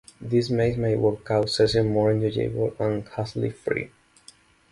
This makes my workout sessions more enjoyable and hassle-free.